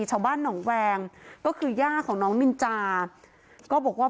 ชาวบ้านหนองแวงก็คือย่าของน้องนินจาก็บอกว่า